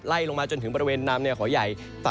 ไล่ลงมาจนถึงบริเวณน้ำเนื้อขอย่าย